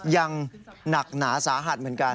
ยังหนักหนาสาหัสเหมือนกัน